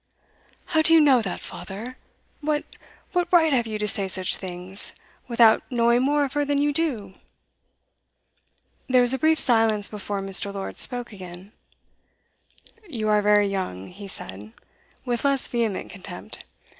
'How do you know that, father? What what right have you to say such things, without knowing more of her than you do?' There was a brief silence before Mr. Lord spoke again. 'You are very young,' he said, with less vehement contempt.